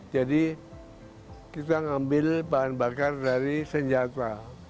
jadi kita ngambil bahan bakar dari senjata